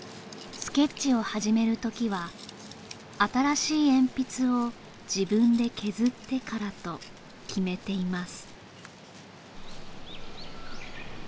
スケッチを始める時は新しい鉛筆を自分で削ってからと決めています